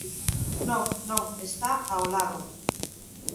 Non, non, está ao lado.